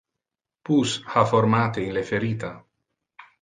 Pus ha formate in le ferita.